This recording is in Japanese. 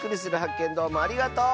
けんどうもありがとう！